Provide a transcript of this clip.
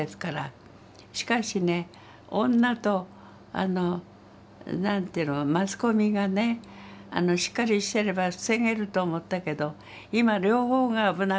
しかしね女と何ていうのマスコミがねしっかりしてれば防げると思ったけど今両方が危なくなってる。